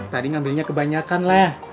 tadi ngambilnya kebanyakan leh